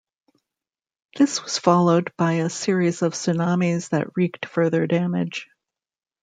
This was followed by a series of tsunamis that wreaked further damage.